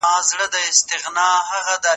په یوه او بل نامه یې وو بللی